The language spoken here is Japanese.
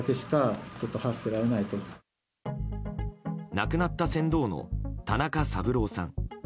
亡くなった船頭の田中三郎さん。